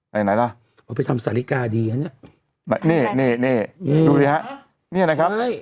ไหนล่ะเขาไปทำสาฬิกาดีอ่ะเนี่ยนี่นี่นี่นี่นะครับนี่นะครับ